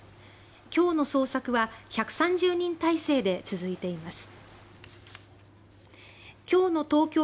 今日の捜索は１３０人態勢で続いています。